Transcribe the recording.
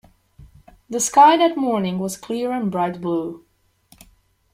The sky that morning was clear and bright blue.